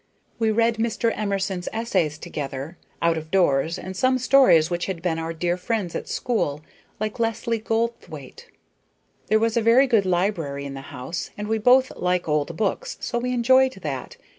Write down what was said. We read Mr. Emerson's essays together, out of doors, and some stories which had been our dear friends at school, like "Leslie Goldthwaite." There was a very good library in the house, and we both like old books, so we enjoyed that.